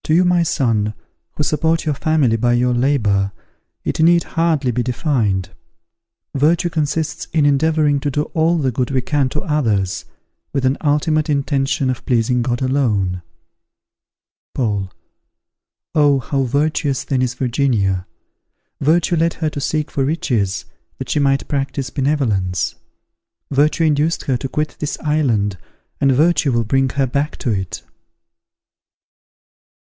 _ To you, my son, who support your family by your labour, it need hardly be defined. Virtue consists in endeavouring to do all the good we can to others, with an ultimate intention of pleasing God alone. Paul. Oh! how virtuous, then, is Virginia! Virtue led her to seek for riches, that she might practise benevolence. Virtue induced her to quit this island, and virtue will bring her back to it.